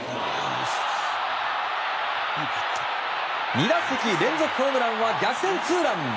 ２打席連続ホームランは逆転ツーラン！